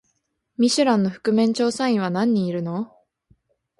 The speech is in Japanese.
ミシュランの覆面調査員は何人いるの？